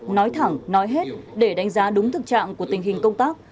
nói thẳng nói hết để đánh giá đúng thực trạng của tình hình công tác